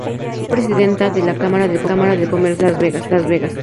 Fue Presidenta de la Cámara de Comercio de Las Vegas.